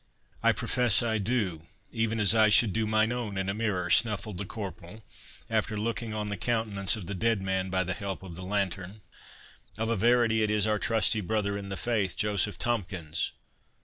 "I profess I do, even as I should do mine own in a mirror," snuffled the corporal, after looking on the countenance of the dead man by the help of the lantern. "Of a verity it is our trusty brother in the faith, Joseph Tomkins."